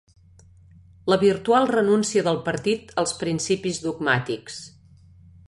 La virtual renúncia del partit als principis dogmàtics.